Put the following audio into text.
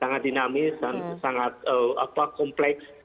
sangat dinamis dan sangat kompleks